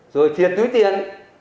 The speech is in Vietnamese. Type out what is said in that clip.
rồi thiệt túi tiền